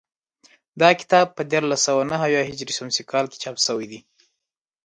دا کتاب په دیارلس سوه نهه اویا هجري شمسي کال کې چاپ شوی دی